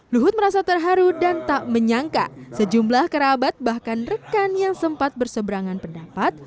luhut merasa terharu dan tak menyangka sejumlah kerabat bahkan rekan yang sempat berseberangan pendapat